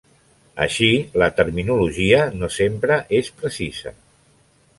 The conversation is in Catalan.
Així, la terminologia no sempre és precisa.